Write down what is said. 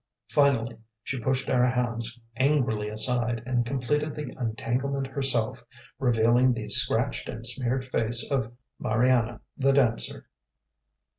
Finally she pushed our hands angrily aside and completed the untanglement herself, revealing the scratched and smeared face of Mariana, the dancer.